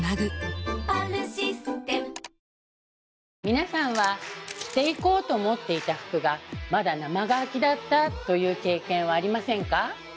皆さんは着ていこうと思っていた服がまだ生乾きだったという経験はありませんか？